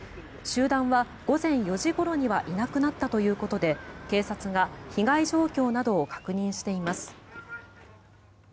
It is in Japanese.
集団は午前４時ごろにはいなくなったということで警察が被害状況などを確認しています。